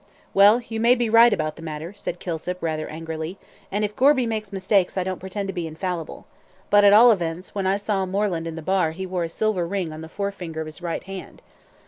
"Well, you may be right about the matter," said Kilsip, rather angrily; "and if Gorby makes mistakes I don't pretend to be infallible. But, at all events, when I saw Moreland in the bar he wore a silver ring on the forefinger of his right hand."